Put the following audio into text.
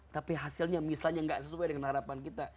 tapi hasilnya misalnya nggak sesuai dengan harapan kita